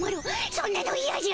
そんなのいやじゃ。